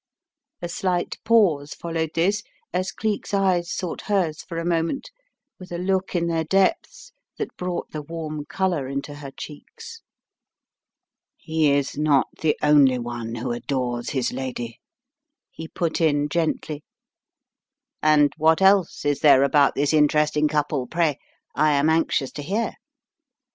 A slight pause followed this as Cleek's eyes sought hers for a moment with a look in their depths thatf brought the warm colour into her cheeks. "He is not the only one who adores his lady," 172 The Riddle of the Purple Emperor he put in gently, "and what else is there about this interesting couple, pray? I am anxious to hear."